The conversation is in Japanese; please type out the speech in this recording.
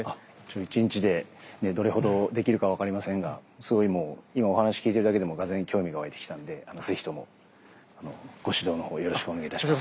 １日でどれほどできるか分かりませんがすごいもう今お話聞いてるだけでもがぜん興味が湧いてきたんでぜひともご指導のほうよろしくお願いいたします。